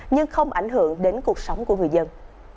nhưng không ảnh hưởng đến cuộc sống của người dân